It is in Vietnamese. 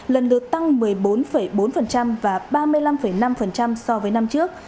lần lượt tăng một mươi bốn bốn và ba mươi năm năm so với năm trước